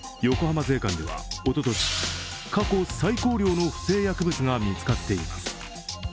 横浜税関では、おととし過去最高量の不正薬物が見つかっています。